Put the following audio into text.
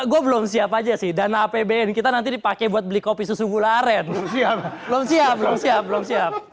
gue belum siap aja sih dana apbn kita nanti dipakai buat beli kopi susu gula aren siapa belum siap belum siap belum siap